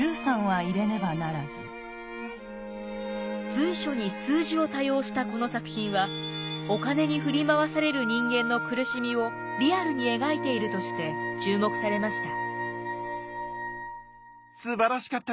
随所に数字を多用したこの作品はお金に振り回される人間の苦しみをリアルに描いているとして注目されました。